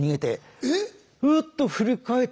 えっ